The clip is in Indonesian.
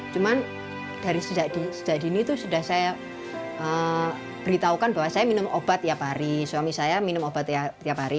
cuman dari sejak dini itu sudah saya beritahukan bahwa saya minum obat tiap hari suami saya minum obat tiap hari